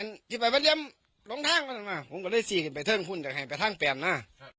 อันที่ไปวัดเลี่ยมลงทางมาผมก็ได้สี่กันไปเทิงคุณจากแห่งไปทางแปลนนะ